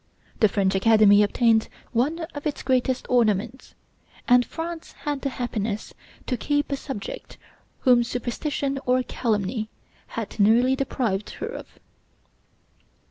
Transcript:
The French Academy obtained one of its greatest ornaments, and France had the happiness to keep a subject whom superstition or calumny had nearly deprived her of; for M.